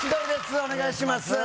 お願いします